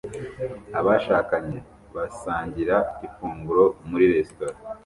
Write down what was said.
Abashakanye basangira ifunguro muri resitora